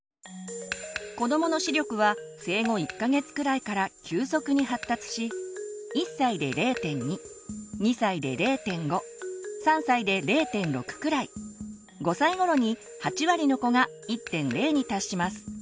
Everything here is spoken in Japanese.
子どもの視力は生後１か月くらいから急速に発達し１歳で０．２２歳で０．５３歳で０．６くらい５歳頃に８割の子が１．０に達します。